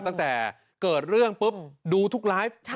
ตั้งแต่เกิดเรื่องปุ๊บดูทุกไลฟ์